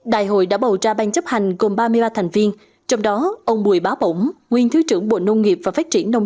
đại hội đã bầu ra ban chấp hành gồm ba mươi ba thành viên trong đó ông bùi bá bổng nguyên thứ trưởng bộ nông nghiệp và phát triển nông